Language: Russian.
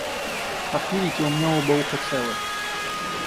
Как видите, у меня оба уха целы.